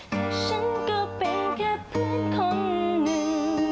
แต่ฉันก็เป็นแค่ผู้คนหนึ่ง